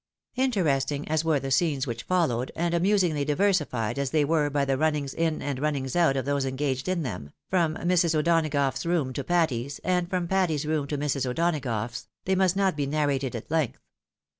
Interesting as were the scenes which followed, and amusingly diversified as they were by the runnings in and runnings out of those engaged in them, from Mrs. O'Donagough's room to Patty's, and from Patty's room to Mrs. O'Donagough's, they must not be narrated at length.